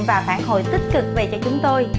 và phản hồi tích cực về cho chúng tôi